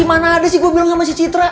gimana ada sih gue bilang sama si citra